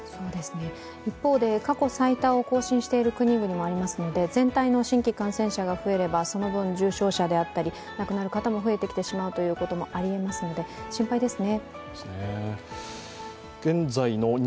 一方で過去最多を更新している国々もありますので全体の新規感染者が増えれば、その分、重症者だったり亡くなる方も増えてきてしまうこともありえますので、心配ですね。